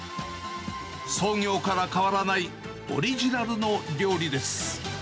創業から変わらないオリジナルの料理です。